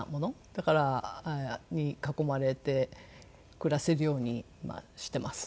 だからに囲まれて暮らせるようにしています。